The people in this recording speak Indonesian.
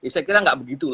saya kira tidak begitu